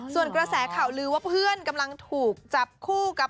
ส่วนกระแสข่าวลือว่าเพื่อนกำลังถูกจับคู่กับ